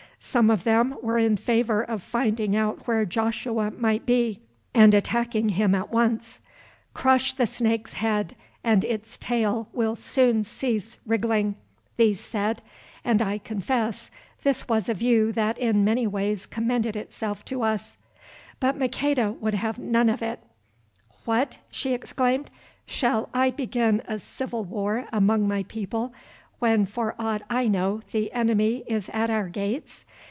Some of them were in favour of finding out where Joshua might be, and attacking him at once. "Crush the snake's head and its tail will soon cease wriggling!" these said, and I confess this was a view that in many ways commended itself to us. But Maqueda would have none of it. "What!" she exclaimed, "shall I begin a civil war among my people when for aught I know the enemy is at our gates?"